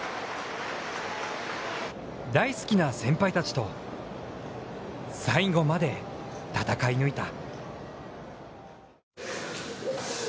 大好きな先輩たちと最後まで戦い抜いた。